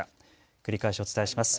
繰り返しお伝えします。